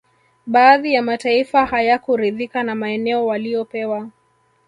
Baadhi ya mataifa hayakuridhika na maeneo waliyopewa